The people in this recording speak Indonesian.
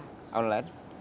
terus kita undang